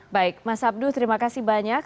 baik mas abdul terima kasih banyak